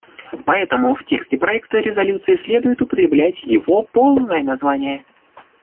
Поэтому в тексте проекта резолюции следует употреблять его полное название.